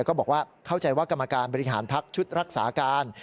ก็บอกว่าเข้าใจว่ากรรมการบริหารพักชุดรักษาการ